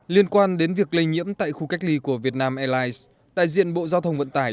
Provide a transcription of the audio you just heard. liên quan đến việc lây nhiễm tại khu cách ly của việt nam airlines đại diện bộ giao thông vận tải